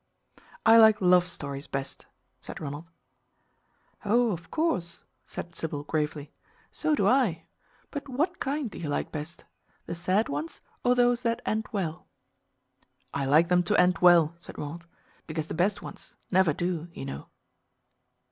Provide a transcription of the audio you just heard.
"I like love stories best," said Ronald. "Oh, of course," said Sybil gravely, "so do I. But what kind do you like best? The sad ones, or those that end well?" "I like them to end well," said Ronald, "because the best ones never do, you know."